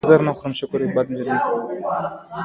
د هوا د پاکوالي لپاره کوم بخار وکاروم؟